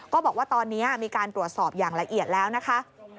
ก็บอกว่าตอนนี้มีการตรวจสอบอย่างละเอียดแล้วนะคะ